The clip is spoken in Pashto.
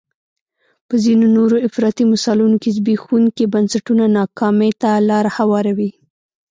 په ځینو نورو افراطي مثالونو کې زبېښونکي بنسټونه ناکامۍ ته لار هواروي.